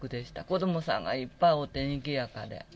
子どもさんがいっぱいおって、にぎやかで。